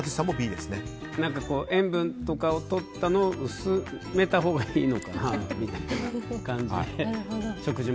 塩分とかをとったのを薄めたほうがいいのかなという感じで。